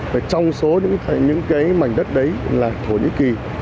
và trong số những cái mảnh đất đấy là thổ nhĩ kỳ